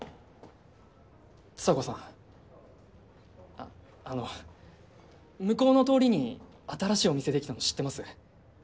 ああの向こうの通りに新しいお店出来たの知ってます？